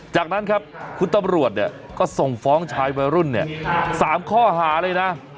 จากนั้นครับคุณตำรวจเนี่ยก็ส่งฟ้องชายวัยรุ่นเนี่ย๓ข้อหาเลยนะ